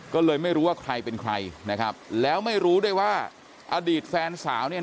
ก็เลยไม่รู้ว่าใครเป็นใครนะครับแล้วไม่รู้ด้วยว่าอดีตแฟนสาวเนี่ย